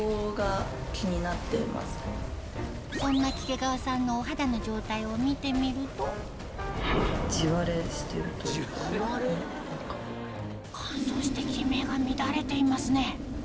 そんな亀卦川さんのお肌の状態を見てみると乾燥してキメが乱れていますね